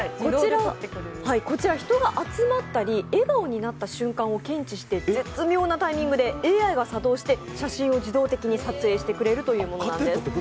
人が集まったり笑顔になった瞬間を検知して絶妙なタイミングでＡＩが作動して写真を自動的に撮影してくれるというものです。